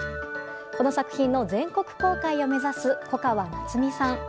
この作品の全国公開を目指す粉川なつみさん。